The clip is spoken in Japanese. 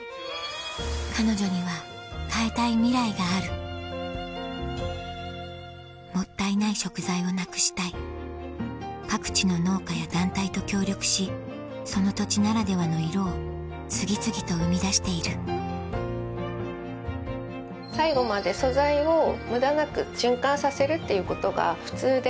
彼女には変えたいミライがあるもったいない食材をなくしたい各地の農家や団体と協力しその土地ならではの色を次々と生み出している最後まで素材を無駄なく循環させるっていうことが普通である。